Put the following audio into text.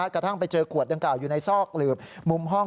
กระทั่งไปเจอขวดดังกล่าวอยู่ในซอกหลืบมุมห้อง